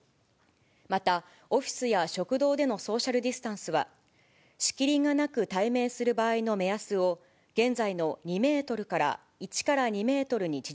また、オフィスや食堂でのソーシャルディスタンスは、仕切りがなく対面する場合の目安を、現在の２メートルから、１から２メートルに縮